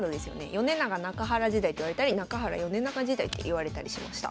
米長・中原時代っていわれたり中原・米長時代っていわれたりしました。